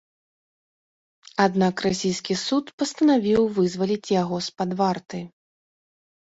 Аднак расійскі суд пастанавіў вызваліць яго з-пад варты.